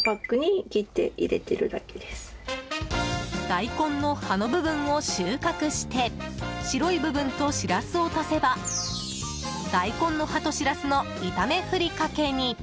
大根の葉の部分を収穫して白い部分とシラスを足せば大根の葉としらすの炒めふりかけに。